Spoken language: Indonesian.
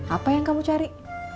apa yang kamu cari